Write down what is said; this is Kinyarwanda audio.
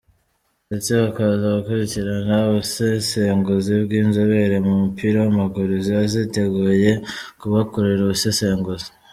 Ndetse bakaza gukurikirana ubusesenguzi bw’ inzobere mu mupira w’ amaguru ziba ziteguye kubakorera ubusesenguzi.